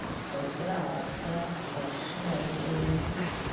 古希腊挽歌体诗人之一。